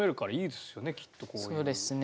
そうですね。